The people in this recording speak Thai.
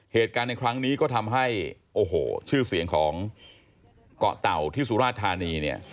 เหตุการณ์ในครั้งนี้ก็ทำให้โอ้โหชื่อเสียงของเกาะเต่าที่สุราชธานีเนี่ย